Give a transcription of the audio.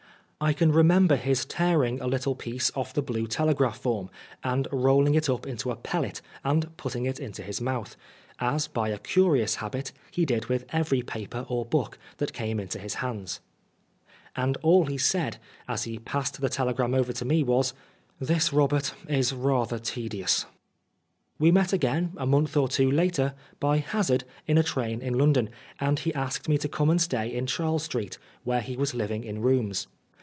I can remember his tearing a little piece off the blue telegraph form and rolling it up into a pellet and putting it into his mouth, as, by a curious habit, he did with every paper or book that came into his hands. And all he said, as he passed the telegram over to me, was, " This, Robert, is rather tedious." 85 Oscar Wilde We met again, a month or two later, by hazard in a train in London, and he asked me to come and stay in Charles Street, where he was living in rooms.